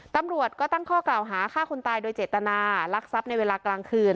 ตำรวจก็ตั้งข้อกล่าวหาฆ่าคนตายโดยเจตนารักทรัพย์ในเวลากลางคืน